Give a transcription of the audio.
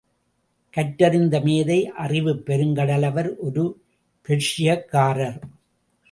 கற்றறிந்த மேதை அறிவுப்பெருங்கடல் அவர் ஒரு பெர்ஷியக்காரர்.